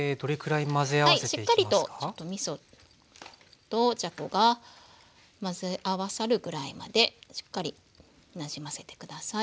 しっかりとちょっとみそとじゃこが混ぜ合わさるぐらいまでしっかりなじませて下さい。